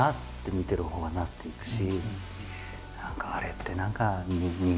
見てるほうはなっていくし。